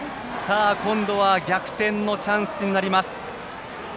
今度は逆転のチャンスになります。